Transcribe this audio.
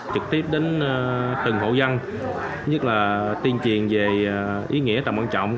trực tiếp đến từng hộ dân nhất là tuyên truyền về ý nghĩa tầm quan trọng